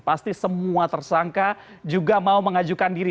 pasti semua tersangka juga mau mengajukan diri